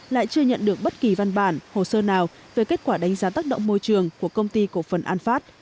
lại chưa nhận được bất kỳ văn bản hồ sơ nào về kết quả đánh giá tác động môi trường của công ty cổ phần an phát